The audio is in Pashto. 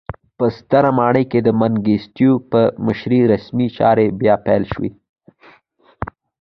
په ستره ماڼۍ کې د منګیسټیو په مشرۍ رسمي چارې بیا پیل شوې.